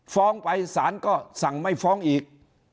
ฟ้องไปสารก็สั่งไม่ฟ้องอีก